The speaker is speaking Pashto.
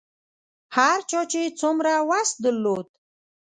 هر چا چې څومره وس درلود.